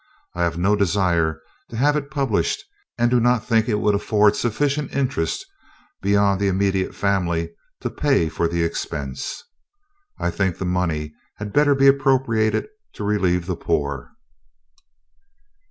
I have no desire to have it published, and do not think it would afford sufficient interest beyond the immediate family to pay for the expense. I think the money had better be appropriated to relieve the poor."